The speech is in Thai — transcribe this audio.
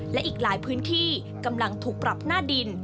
และอีกหลายพื้นที่กำลังถูกปรับหน้าดิน